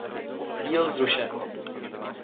Díl zrušen